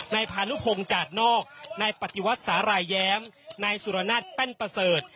ในภานุพงศ์จากนอกในปฏิวัติสารายแย้มในสุรนัทแป้นประเสริฐ